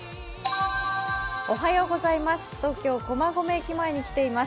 東京・駒込駅前に来ています